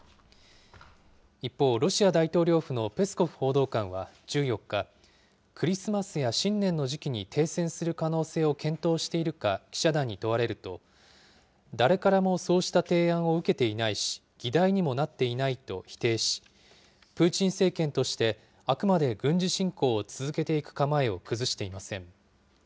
一方、ロシア大統領府のペスコフ報道官は１４日、クリスマスや新年の時期に停戦する可能性を検討しているか記者団に問われると、誰からもそうした提案を受けていないし、議題にもなっていないと否定し、プーチン政権として、あくまで軍事侵攻を続けていく構えを崩していません。